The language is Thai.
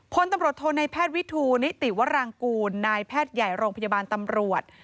พลตำรวจโทในแพทย์วิทูนิติวรางกูลนายแพทย์ใหญ่โรงพยาบาลตำรวจ